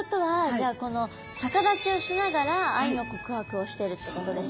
じゃあこの逆立ちをしながら愛の告白をしてるってことですね。